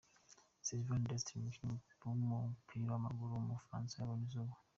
Sylvain Distin, umukinnyi w’umupira w’amaguru w’umufaransa yabonye izuba.